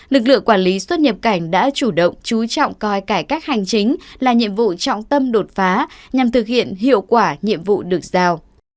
lực lượng quản lý xuất nhập cảnh đã chủ động chú trọng coi cải cách hành chính là nhiệm vụ trọng tâm đột phá nhằm thực hiện hiệu quả nhiệm vụ được giao